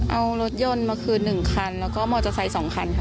เอารถยนต์มาคือหนึ่งคันแล้วก็มอเตอร์ไซด์สองคันครับ